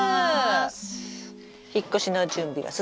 引っ越しの準備は進んでますか？